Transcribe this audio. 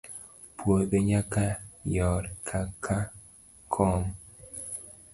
Puodho nyaka yor koka kom.